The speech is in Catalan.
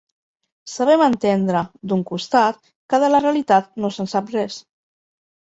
Sabem entendre, d’un costat, que de la realitat no se’n sap res.